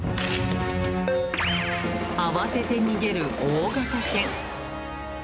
慌てて逃げる大型犬。